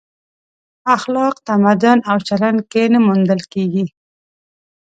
اخلاق تمدن او چلن کې نه موندل کېږي.